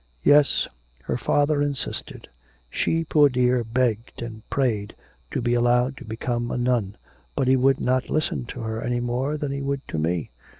'Yes, her father insisted... She, poor dear, begged and prayed to be allowed to become a nun, but he would not listen to her any more than he would to me....